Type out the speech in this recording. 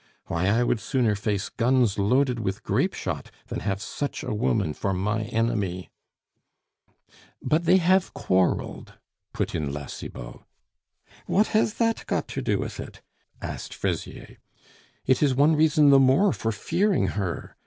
Why, I would sooner face guns loaded with grape shot than have such a woman for my enemy " "But they have quarreled," put in La Cibot. "What has that got to do with it?" asked Fraisier. "It is one reason the more for fearing her.